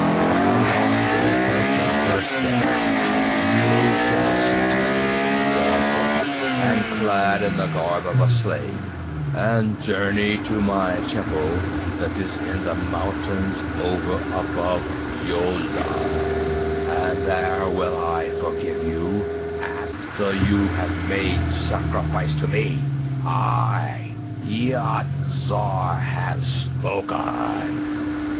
And on the thirty first day, you shall set out, barefoot and clad in the garb of a slave, and journey to my temple that is in the mountains over above Yoldav, and there will I forgive you, after you have made sacrifice to me. I, Yat Zar, have spoken!